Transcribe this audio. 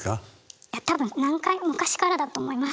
いや多分何回も昔からだと思います